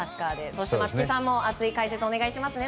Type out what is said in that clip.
そして松木さんも熱い解説をお願いしますね。